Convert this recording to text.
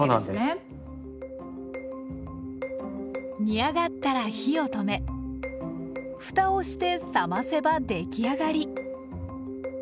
煮上がったら火を止めふたをして冷ませばできあがり。